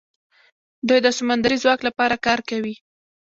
دوی د سمندري ځواک لپاره کار کوي.